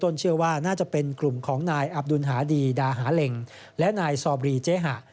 น่าจะเป็นกลุ่มของนายอับดูลหาดีดาหาเล็งและนายสอบรีเจฮะ